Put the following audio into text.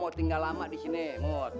gue mau tinggal lama di sini mud